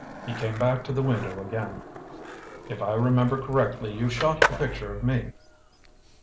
He came back to the window again. "If I remember correctly you shot a picture of me."